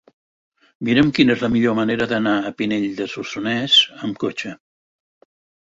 Mira'm quina és la millor manera d'anar a Pinell de Solsonès amb cotxe.